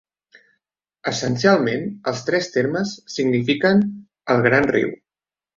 Essencialment, els tres termes signifiquen "el gran riu".